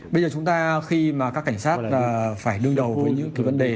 bây giờ chúng ta khi mà các cảnh sát phải lưu đầu với những cái vấn đề